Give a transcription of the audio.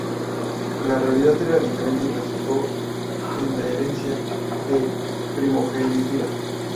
La realidad era diferente y resultó en la herencia de primogenitura.